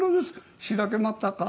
「しらけまったか？